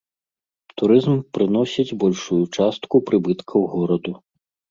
Турызм прыносіць большую частку прыбыткаў гораду.